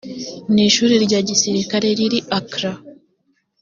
ni ishuri rya gisirikare riri accra